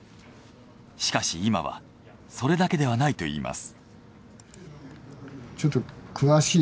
しかし今はそれだけではないと言います。